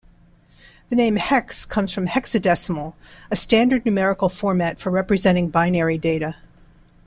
The name 'hex' comes from 'hexadecimal': a standard numerical format for representing binary data.